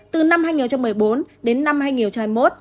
từ năm hai nghìn một mươi bốn đến năm hai nghìn hai mươi một